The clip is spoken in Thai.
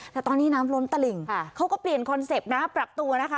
แต่ตอนนี้น้ำล้นตลิ่งเขาก็เปลี่ยนคอนเซ็ปต์นะปรับตัวนะคะ